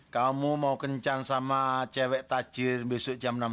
kamu mau kencan sama cewek tajir besok jam enam